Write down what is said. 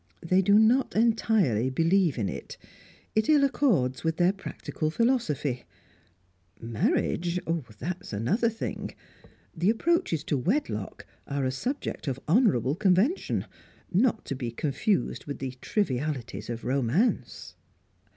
They do not entirely believe in it; it ill accords with their practical philosophy. Marriage that is another thing. The approaches to wedlock are a subject of honourable convention, not to be confused with the trivialities of romance.